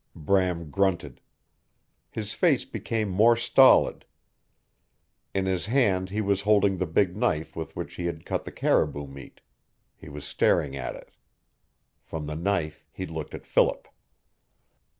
Bram grunted. His face became more stolid. In his hand he was holding the big knife with which he cut the caribou meat. He was staring at it. From the knife he looked at Philip.